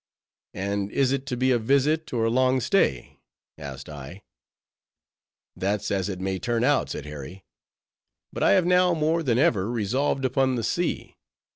"And is it to be a visit, or a long stay?" asked I. "That's as it may turn out," said Harry; "but I have now more than ever resolved upon the sea.